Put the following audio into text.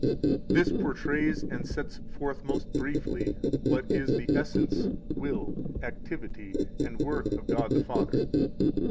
10 This portrays and sets forth most briefly what is the essence, will, activity, and work of God the Father.